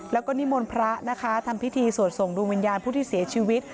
แล้วก็นิมนต์พระนะคะทำพิธีสวดส่งดวงวิญญาณผู้ที่เสียชีวิต